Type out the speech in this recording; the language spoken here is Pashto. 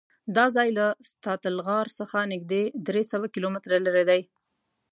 دا ځای له ستادل غار څخه نږدې درېسوه کیلومتره لرې دی.